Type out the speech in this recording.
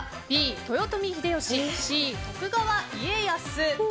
Ｂ、豊臣秀吉Ｃ、徳川家康。